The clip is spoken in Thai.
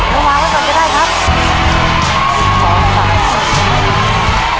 ระวังไว้ก่อนก็ได้ครับ